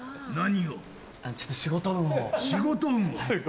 仕事運を。